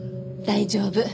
大丈夫。